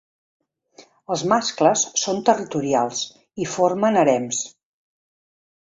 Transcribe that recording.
Els mascles són territorials i formen harems.